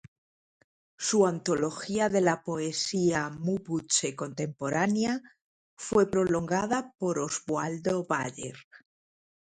Su "Antología de la Poesía Mapuche Contemporánea" fue prologada por Osvaldo Bayer.